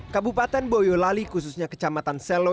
kabupaten boyolali khususnya kecamatan selo